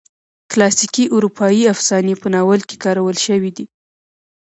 کلاسیکي اروپایي افسانې په ناول کې کارول شوي دي.